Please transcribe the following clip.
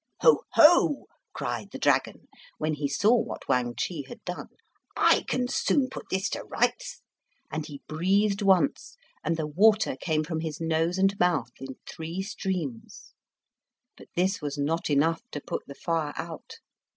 "Ho! ho!" cried the dragon, when he saw what Wang Chih had done, "I can soon put this to rights." And he breathed once, and the water came out his nose and mouth in three streams. But this was not enough to put the fire out.